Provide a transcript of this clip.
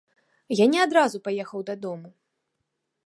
Я не адразу паехаў дадому.